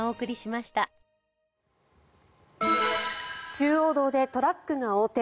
中央道でトラックが横転。